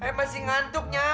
emang masih ngantuknya